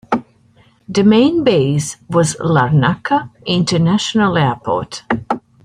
Its main base was Larnaca International Airport.